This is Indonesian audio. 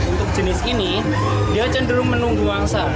untuk jenis ini dia cenderung menunggu angsa